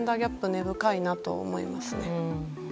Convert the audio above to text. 根深いなと思います。